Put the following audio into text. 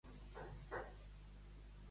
De la Cava, i au.